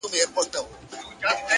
خپل وخت په موخه مصرف کړئ